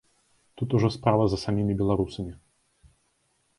Тут ужо справа за самімі беларусамі.